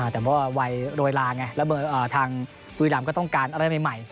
แต่ว่าวัยโรยลาไงแล้วทางบุรีรำก็ต้องการอะไรใหม่